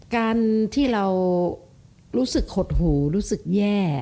การที่เรารู้สึกหดหูรู้สึกแย่